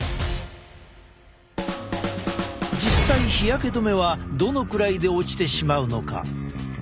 実際日焼け止めはどのくらいで落ちてしまうのか。